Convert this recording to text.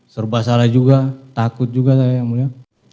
serba salah juga takut juga saya yang mulia